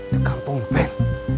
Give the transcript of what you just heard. di kampung ben